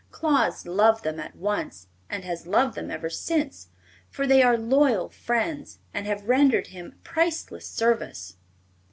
Claus loved them at once, and has loved them ever since, for they are loyal friends and have rendered him priceless service.